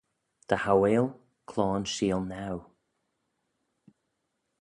Dy hauail cloan sheelnaue.